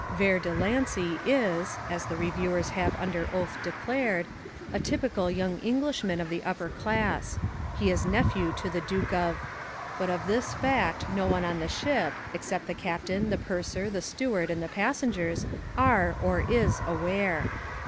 Vere de Lancy is (as the reviewers have under oath declared) a typical young Englishman of the upper class. He is nephew to the Duke of , but of this fact no one on the ship, except the captain, the purser, the steward, and the passengers are, or is, aware.